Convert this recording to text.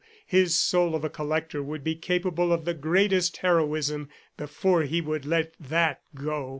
His soul of a collector would be capable of the greatest heroism before he would let that go.